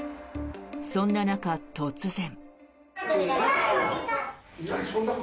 そんな中、突然。